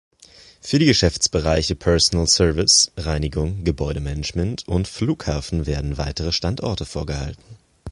Für die Geschäftsbereiche Personal Service, Reinigung, Gebäude-Management und Flughafen werden weitere Standorte vorgehalten.